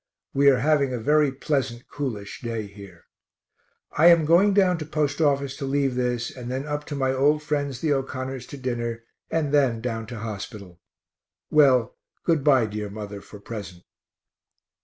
We are having a very pleasant, coolish day here. I am going down to post office to leave this, and then up to my old friends the O'Connors to dinner, and then down to hospital. Well, good bye, dear mother, for present.